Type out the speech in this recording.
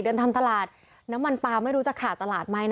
ทำตลาดน้ำมันปลาไม่รู้จะขาดตลาดไหม